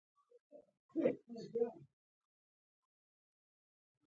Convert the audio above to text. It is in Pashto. د ښوونکي کلمه خلکو ته ساده ښکاري.